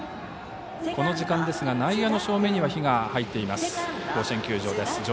この時間ですが内野の照明には灯が入っています。